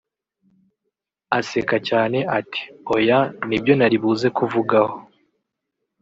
aseka cyane ati “oya Nibyo naribuze kuvugaho